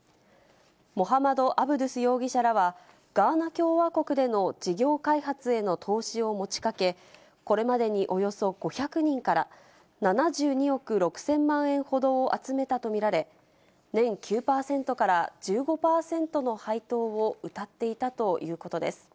モハマド・アブドゥス容疑者らは、ガーナ共和国での事業開発への投資を持ちかけ、これまでにおよそ５００人から、７２億６０００万円ほどを集めたと見られ、年９％から１５％の配当をうたっていたということです。